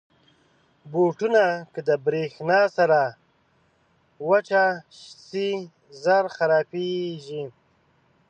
بوټونه که د برېښنا سره وچه شي، ژر خرابېږي.